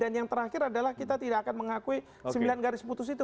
dan yang terakhir adalah kita tidak akan mengakui sembilan garis putus itu